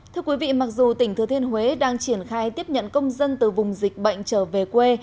thưa quý vị mặc dù tỉnh thừa thiên huế đang triển khai tiếp nhận công dân từ vùng dịch bệnh trở về quê